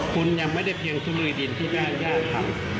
คุณยังไม่ได้เพียงทุลุยดินที่บ้านย่าทำ